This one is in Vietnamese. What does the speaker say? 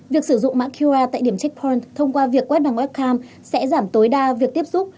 việc sử dụng mã qr tại điểm checkporn thông qua việc quét bằng wcam sẽ giảm tối đa việc tiếp xúc